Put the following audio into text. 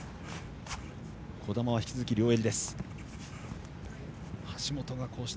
児玉は引き続き両襟。